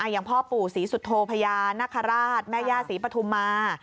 อย่างพ่อปู่ศรีสุโธพญานาคาราชแม่ย่าศรีปฐุมา